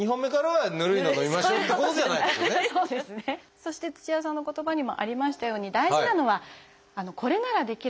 そして土屋さんの言葉にもありましたように大事なのは「これならできる」。